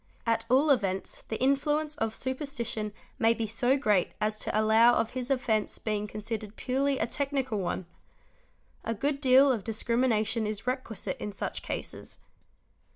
At all events the influence of super _ stition may be so great as to allow of his offence being considered purely a technical one. A good deal of discrimination is requisite in such cases.